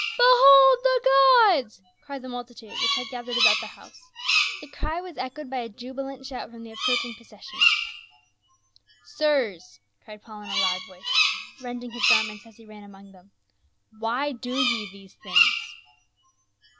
" Behold the gods !" cried the multitude, which had gathered about the house ; the cry was echoed by a jubilant shout from the approaching procession. " Sirs !" cried Paul in a loud voice, rending his gar ment as he ran among them, " why do ye these things?"